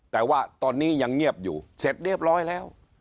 แต่ว่าตอนนี้ยังเงียบอยู่เสร็จเรียบร้อยแล้ว